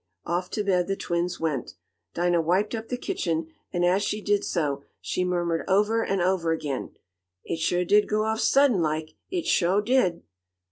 Off to bed the twins went. Dinah wiped up the kitchen, and, as she did so, she murmured over and over again: "It shuah did go off suddint laik! It shuah did!"